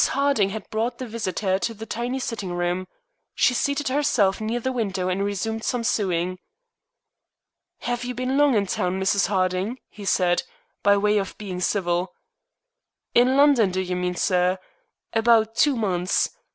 Harding had brought the visitor to the tiny sitting room. She seated herself near the window and resumed some sewing. "Have you been long in town, Mrs. Harding?" he said, by way of being civil. "In London, do you mean, sir? About two months.